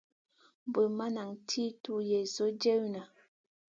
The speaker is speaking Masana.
Bur ma nan ti tuw Yezu jewna.